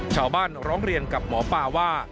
ชาวบ้านร้องเรียนกับหมอป้าว่า